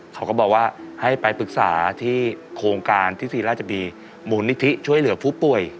เขาก็บอกว่าให้ไปปรึกษาที่โครงการที่ศรีราชบีมูลนิธิช่วยเหลือผู้ป่วย